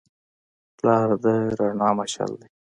پلار د رڼا مشعل دی.